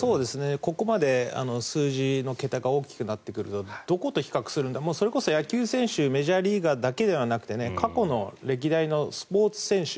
ここまで数字の桁が大きくなってくるとどこと比較するんだと、それこそ野球選手メジャーリーガーだけでなく過去の歴代のスポーツ選手